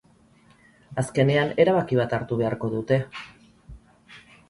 Azkenean, erabaki bat hartu beharko dute.